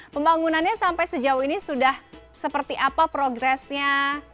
pembangunannya sampai sejauh ini sudah seperti apa progresnya